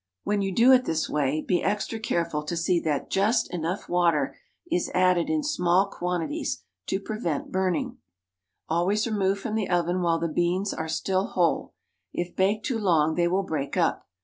When you do it this way [i6r] THE STAG COOK BOOK be extra careful to see that just enough water is added in small quantities to prevent burning. Always remove from the oven while the beans are still whole. If baked too long they will break up.